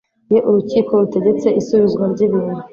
Iyo urukiko rutegetse isubizwa ry ibintu